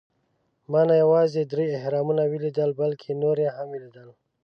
ما نه یوازې درې اهرامونه ولیدل، بلکې نور یې هم ولېدل.